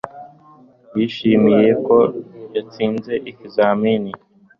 Yishimiye ko yatsinze ikizamini